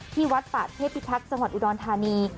ที่วัดป่าเทพิทักษ์จังหวัดอุดรธานี